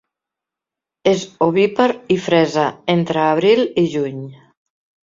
És ovípar i fresa entre abril i juny.